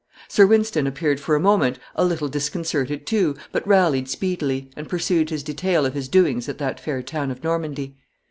Sir Wynston appeared for a moment a little disconcerted too, but rallied speedily, and pursued his detail of his doings at that fair town of Normandy.